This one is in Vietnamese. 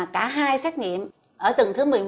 cả hai xét nghiệm ở tầng thứ một mươi một